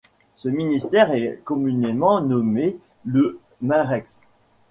Ce ministère est communément nommé le Minrex.